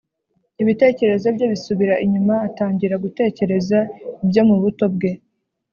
ibitekerezo bye bisubira inyuma atangira gutekereza ibyo mu buto bwe.